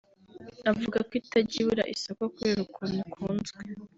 avuga ko itajya ibura isoko kubera ukuntu ikunzwe